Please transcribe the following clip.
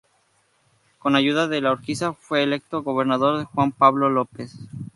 Con ayuda de Urquiza, fue electo gobernador Juan Pablo López.